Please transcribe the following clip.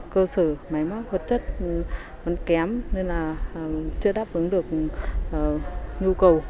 cơ sở máy móc vật chất vẫn kém nên là chưa đáp ứng được nhu cầu